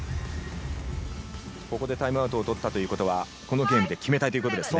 ここでタイムアウトを取ったということはこのゲームで決めたいということですね。